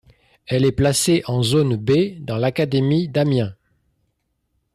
Elle est placée en zone B, dans l'académie d'Amiens.